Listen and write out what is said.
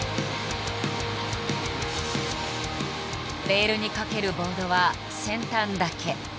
レールにかけるボードは先端だけ。